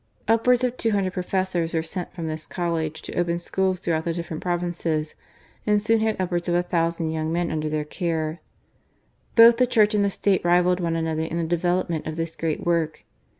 Upwards of two hundred Professors were sent from this College to open schools throughout the different provinces, and soon had upwards of a thousand young men under their care. Both the Church and the State rivalled one another in the development of this great work.